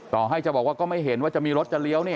ต่อให้จะบอกว่าก็ไม่เห็นว่าจะมีรถจะเลี้ยวเนี่ย